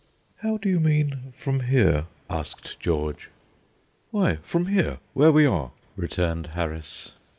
"How do you mean, from here?" asked George. "Why, from here, where we are," returned Harris.